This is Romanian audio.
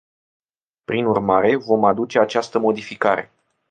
Prin urmare, vom aduce această modificare.